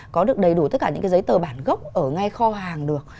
có được đầy đủ tất cả những cái giấy tờ bản gốc ở ngay kho hàng được